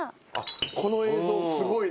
この映像すごいね。